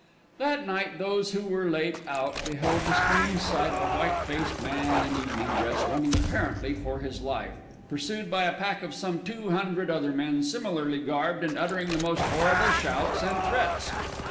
That night those who were late out beheld the strange sight of a white faced man in evening dress running apparently for his life, pursued by a pack of some two hundred other men similarly garbed and uttering the most horrible shouts and threats.